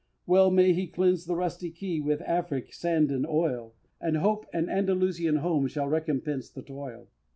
Well may he cleanse the rusty Key With Afric sand and oil, And hope an Andalusian home Shall recompense the toil!